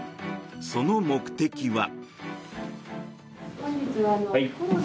その目的は。